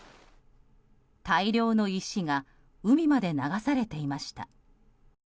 大量の石が海まで流されていました。